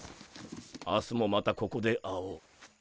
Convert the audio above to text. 明日もまたここで会おう。